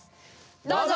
どうぞ！